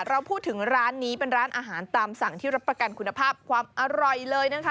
เราพูดถึงร้านนี้เป็นร้านอาหารตามสั่งที่รับประกันคุณภาพความอร่อยเลยนะคะ